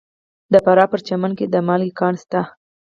د فراه په پرچمن کې د مالګې کان شته.